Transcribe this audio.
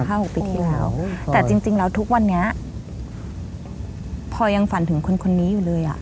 หกปีที่แล้วแต่จริงจริงแล้วทุกวันนี้พอยังฝันถึงคนคนนี้อยู่เลยอ่ะ